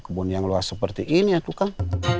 kebun yang luas seperti ini ya tukang